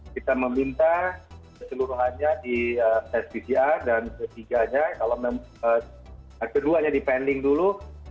kita meminta keseluruhannya di pspcr dan ketiganya kalau keduanya dipanding dulu